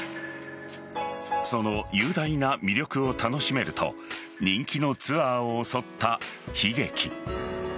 その雄大な魅力を楽しめると人気のツアーを襲った悲劇。